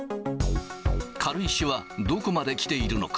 軽石はどこまで来ているのか。